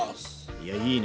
いやいいね。